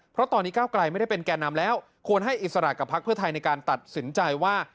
เพราะตอนนี้ก้าวไกลไม่ได้เป็นแก่นำแล้วควรให้อิสระกับพักเพื่อไทยในการตัดสินใจว่า